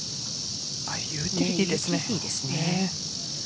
ユーティリティーですね。